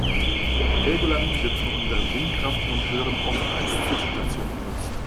Helgoland wird von unseren Windkraftmonteuren oft als Zwischenstation genutzt.